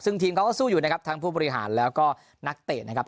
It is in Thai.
ซึ่งทีมเขาก็สู้อยู่นะครับทั้งผู้บริหารแล้วก็นักเตะนะครับ